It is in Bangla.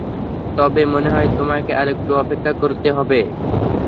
তবে মনে হয় তোমাকে আরেকটু অপেক্ষা করতে হবে।